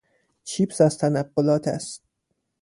چیپس از تنقلات است.